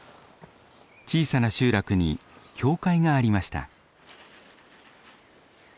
小さな集落に教会がありました。